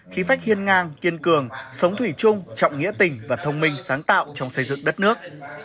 khí phách hiên ngang kiên cường sống thủy chung trọng nghĩa tình và thông minh sáng tạo trong xây dựng đất nước